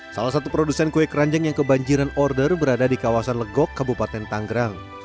salah satu produsen kue keranjang yang kebanjiran order berada di kawasan legok kabupaten tanggerang